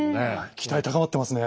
期待高まってますね。